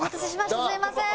すみません。